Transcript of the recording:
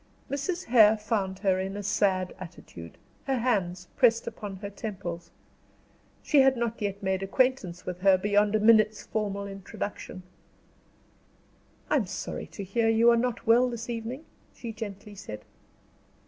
Mrs. Hare found her in a sad attitude, her hands pressed upon her temples. She had not yet made acquaintance with her beyond a minute's formal introduction. "I am sorry to hear you are not well, this evening," she gently said.